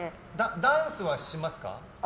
ダンスはしますか？